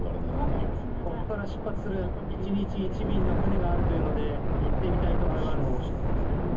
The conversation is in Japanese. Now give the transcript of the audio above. ここから出発する１日１便の船があるというので行ってみたいと思います。